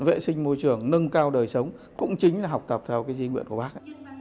vệ sinh môi trường nâng cao đời sống cũng chính là học tập theo cái di nguyện của bác